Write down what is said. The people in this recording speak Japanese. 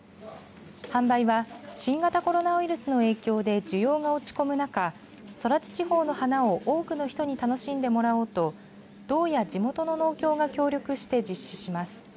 販売は新型コロナウイルスの影響で需要が落ち込む中空知地方の花を多くの人に楽しんでもらおうと道や地元の農協が協力して実施します。